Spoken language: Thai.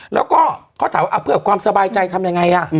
แล้วก็เขาถามว่าเพื่อความสบายใจทำยังไง